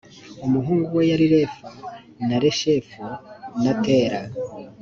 umuhungu we yari refa na reshefu na tela